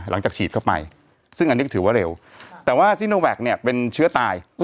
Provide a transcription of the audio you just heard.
ฉีดเข้าไปซึ่งอันนี้ก็ถือว่าเร็วแต่ว่าซีโนแวคเนี่ยเป็นเชื้อตาย